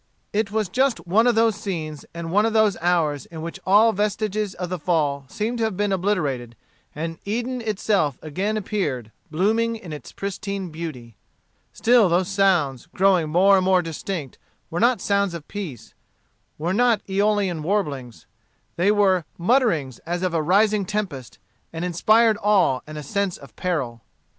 It was just one of those scenes and one of those hours in which all vestiges of the Fall seemed to have been obliterated, and Eden itself again appeared blooming in its pristine beauty. Still those sounds, growing more and more distinct, were not sounds of peace, were not eolian warblings; they were mutterings as of a rising tempest, and inspired awe and a sense of peril.